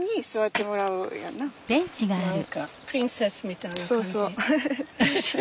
何かプリンセスみたいな感じ。